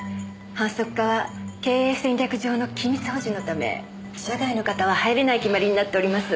販促課は経営戦略上の機密保持のため社外の方は入れない決まりになっております。